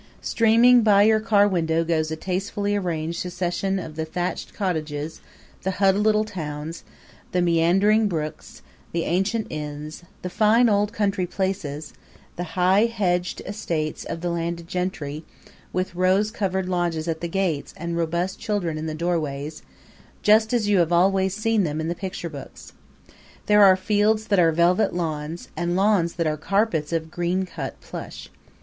Streaming by your car window goes a tastefully arranged succession of the thatched cottages, the huddled little towns, the meandering brooks, the ancient inns, the fine old country places, the high hedged estates of the landed gentry, with rose covered lodges at the gates and robust children in the doorways just as you have always seen them in the picture books. There are fields that are velvet lawns, and lawns that are carpets of green cut plush.